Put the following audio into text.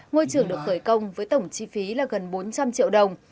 ngôi trường được khởi công với tổng chi phí là gần bốn trăm linh triệu đồng